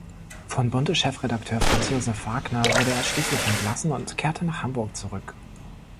Von "Bunte"-Chefredakteur Franz Josef Wagner wurde er schließlich entlassen und kehrte nach Hamburg zurück.